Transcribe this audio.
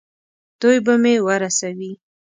دوی به مې ورسوي.